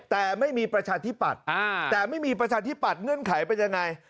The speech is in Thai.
แต่ไม่มีประชาธิปัตย์แต่ไม่มีประชาธิปัตย์เงื่อนไขเป็นยังไง